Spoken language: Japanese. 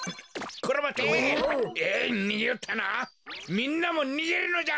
みんなもにげるのじゃ。